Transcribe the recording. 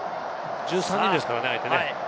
１３人ですからね、相手。